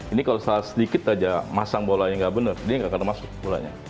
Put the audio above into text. ini kalau salah sedikit aja masang bolanya nggak bener dia nggak akan masuk bolanya